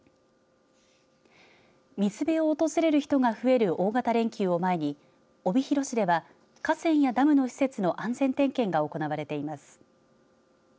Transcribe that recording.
水辺を訪れる人が増える大型連休を前に帯広市では河川やダムの施設の安全点検が行われています。